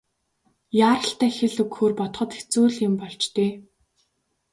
Яаралтай хэл өгөхөөр бодоход хэцүү л юм болж дээ.